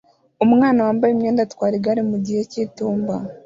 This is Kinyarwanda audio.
Umwana wambaye imyenda atwara igare mu gihe cy'itumba